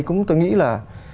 cũng tôi nghĩ là